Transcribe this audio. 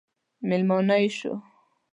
مېلمانه یې شو.